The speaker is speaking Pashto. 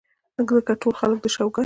ځکه ټول خلک د شوګر ،